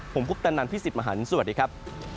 ผมคุปตะนันพี่สิทธิ์มหันฯสวัสดีครับ